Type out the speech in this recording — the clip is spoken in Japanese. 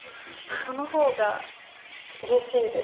その方がうれしいです。